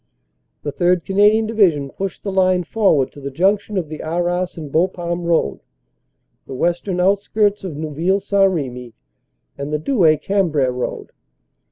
The 3rd. Canadian Division pushed the line forward to the junction of the Arras and Bapaume Road, the western outskirts of Neuville St. Remy and the Douai Cambrai Road.